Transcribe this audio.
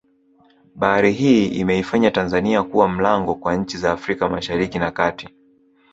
Bahari hii imeifanya Tanzania kuwa mlango kwa nchi za Afrika mashariki na kati